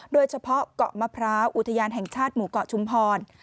โดยเฉพาะเกาะมะพร้าวอุทยานแห่งชาติหมู่เกาะชุมพร